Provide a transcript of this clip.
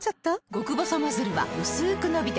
極細ノズルはうすく伸びて